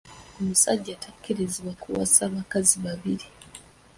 Omusajja takkirizibwa kuwasa bakazi babiri.